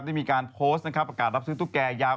นี่มีการโพสต์บากาศรับซื้อตุ๊กแก่ความยาว